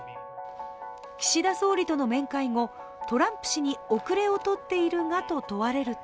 岸田総理との面会後、トランプ氏に遅れを取っているがと問われると